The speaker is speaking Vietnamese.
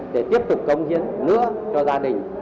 để tiếp tục công diễn nữa cho gia đình